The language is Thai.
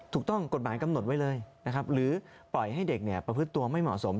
ถูกต้องกฎหมายกำหนดไว้เลยนะครับหรือปล่อยให้เด็กประพฤติตัวไม่เหมาะสม